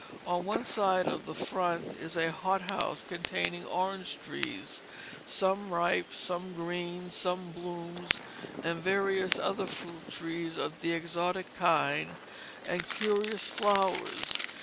On one side of the front is a hot house containing orange trees, some ripe, some green, some blooms, and various other fruit trees of the exotic kind and curious flowers.